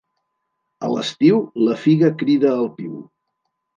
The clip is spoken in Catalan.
A l'estiu la figa crida el piu.